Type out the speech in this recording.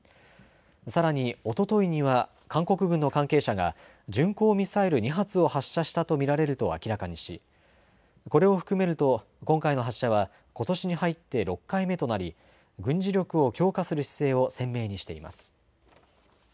さらに、おとといには韓国軍の関係者が巡航ミサイル２発を発射したと見られると明らかにしこれを含めると今回の発射はことしに入って６回目となり軍事力を強化する姿勢を鮮明にしています。